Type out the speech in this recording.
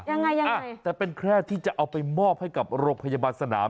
ยังไงอ่ะแต่เป็นแค่ที่จะเอาไปมอบให้กับโรงพยาบาลสนาม